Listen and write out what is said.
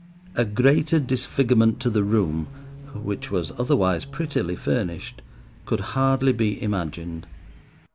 A greater disfigurement to the room, which was otherwise prettily furnished, could hardly be imagined.